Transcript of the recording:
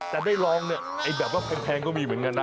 แต่ได้ลองเนี่ยให้แทงก็มีเหมือนกันนะ